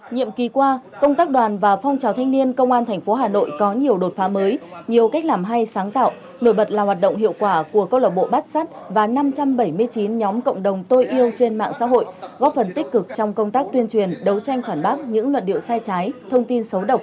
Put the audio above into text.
nhiệm kỳ qua công tác đoàn và phong trào thanh niên công an thành phố hà nội có nhiều đột phá mới nhiều cách làm hay sáng tạo nổi bật là hoạt động hiệu quả của công an thành phố hà nội và năm trăm bảy mươi chín nhóm cộng đồng tôi yêu trên mạng xã hội góp phần tích cực trong công tác tuyên truyền đấu tranh phản bác những luận điệu sai trái thông tin xấu đáng